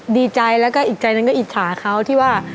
ดีใจแล้วก็อีกใจหนึ่งก็อิจฉาเขาที่ว่า